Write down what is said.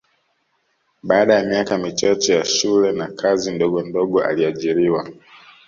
Baada ya miaka michache ya shule na kazi ndogondogo aliajiriwa